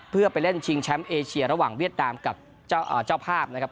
เพื่อไปเล่นชิงแชมป์เอเชียระหว่างเวียดนามกับเจ้าภาพนะครับ